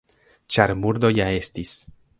Ĉar murdo ja estis.